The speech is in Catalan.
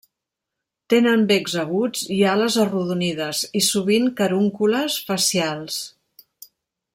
Tenen becs aguts i ales arrodonides, i sovint carúncules facials.